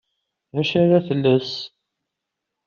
D acu ara tles?